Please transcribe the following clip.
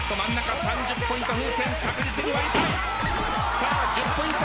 さあ１０ポイント。